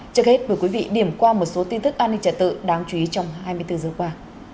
trước hết mời quý vị điểm qua một số tin tức an ninh trả tự đáng chú ý trong hai mươi bốn giờ qua